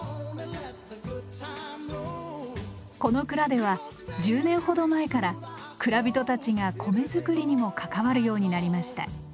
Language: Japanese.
この蔵では１０年ほど前から蔵人たちが米作りにも関わるようになりました。